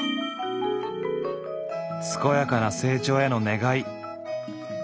健やかな成長への願い。